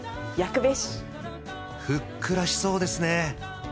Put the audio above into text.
ふっくらしそうですね